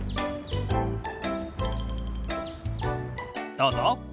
どうぞ。